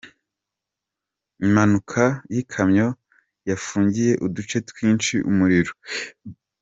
Impanuka y’ikamyo yafungiye uduce twinshi umuriro